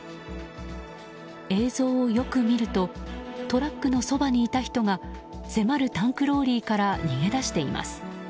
映像をよく見るとトラックのそばにいた人が迫るタンクローリーから逃げ出しています。